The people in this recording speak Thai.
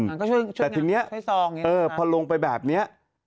แต่ทีนี้พอลงไปแบบนี้